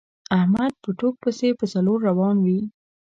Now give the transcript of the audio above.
احمد په ټوک پسې په څلور روان وي.